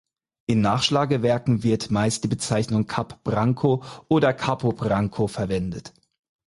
In Nachschlagewerken wird meist die Bezeichnung „Kap Branco“ oder „Capo Branco“ verwendet.